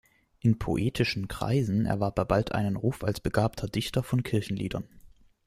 In poetischen Kreisen erwarb er bald einen Ruf als begabter Dichter von Kirchenliedern.